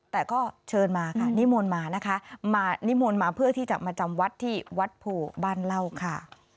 แต่ก็เชิญมาค่ะนิมนต์มานะคะมานิมนต์มาเพื่อที่จะมาจำวัดที่วัดโพบ้านเหล้าค่ะ